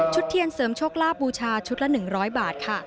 เทียนเสริมโชคลาบบูชาชุดละ๑๐๐บาทค่ะ